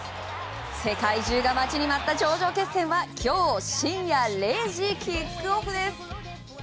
世界中が待ちに待った頂上決戦は今日深夜０時キックオフです。